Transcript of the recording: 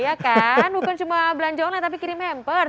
iya kan bukan cuma belanja online tapi kirim hampers